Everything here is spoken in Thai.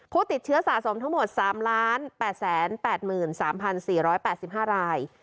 ผู้ติดเชื้อสะสมทั้งหมด๓๘๘๓๔๘๕ราย